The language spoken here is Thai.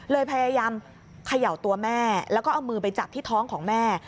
พยายามเขย่าตัวแม่แล้วก็เอามือไปจับที่ท้องของแม่